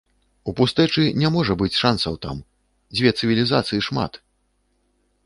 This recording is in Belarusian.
У пустэчы не можа быць шансаў там, дзе цывілізацыі шмат.